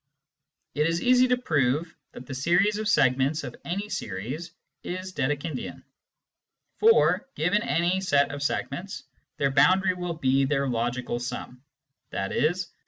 It is easy to prove that the series of segments of any series is Dedekindian. For, given any set of segments, their boundary will be their logical sum, i.e.